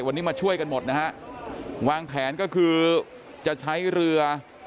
วันนี้มาช่วยกันหมดนะฮะวางแผนก็คือจะใช้เรือ